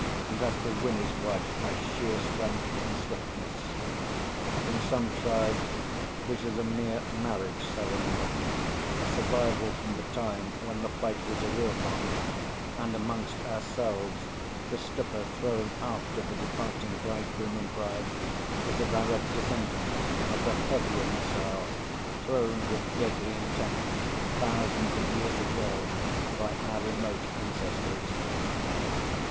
and has to win his wife by sheer strength and swiftness. In some tribes this is a mere marriage ceremony, a survival from the time when the fight was a real one, and amongst ourselves the slipper thrown after the departing bridegroom and bride is a direct descendant of the heavier missiles thrown with deadly intent thousands of years ago by our remote ancestors.